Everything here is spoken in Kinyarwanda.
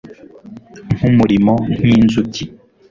Nkumurimo nkinzuki